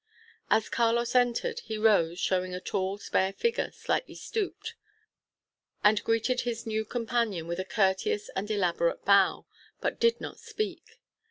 As Carlos entered, he rose (showing a tall, spare figure, slightly stooped), and greeted his new companion with a courteous and elaborate bow, but did not speak.